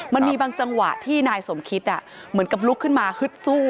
มันมีบางจังหวะที่นายสมคิดเหมือนกับลุกขึ้นมาฮึดสู้